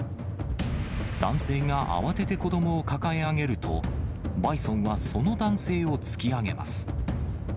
男性が慌てて子どもを抱え上げると、バイソンはその男性を突き上げます。